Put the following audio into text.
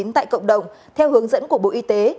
tại cộng đồng theo hướng dẫn của bộ y tế